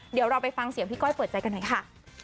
เดี๋ยวเราไปฟังเสียงพี่ก้อยเปิดใจกันหน่อยค่ะ